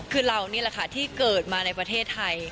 คือเรานี่แหละค่ะที่เกิดมาในประเทศไทย